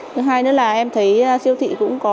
thứ hai nữa là em thấy siêu thị cũng có